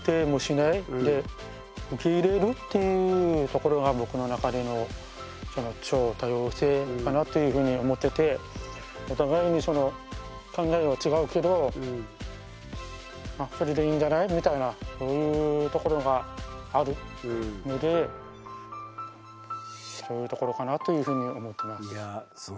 っていうところが僕の中での超多様性かなっていうふうに思っててお互いに考えは違うけどまあこれでいいんじゃない？みたいなというところがあるのでそういうところかなというふうに思ってます。